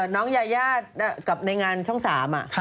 น้องยายากับในงานช่อง๓